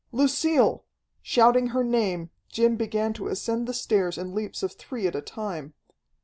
Lucille! Shouting her name, Jim began to ascend the stairs in leaps of three at a time.